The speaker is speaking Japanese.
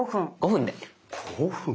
５分で。